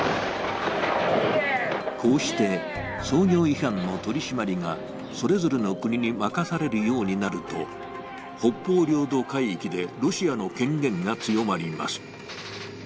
こうして操業違反の取り締まりがそれぞれの国に任されるようになると北方領土海域でロシアの権限が強まります。